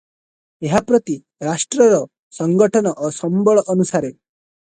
ଏହା ପ୍ରତି ରାଷ୍ଟ୍ରର ସଂଗଠନ ଓ ସମ୍ୱଳ ଅନୁସାରେ ।